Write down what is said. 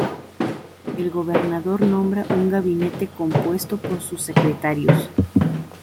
El gobernador nombra un gabinete compuesto por sus "secretarios".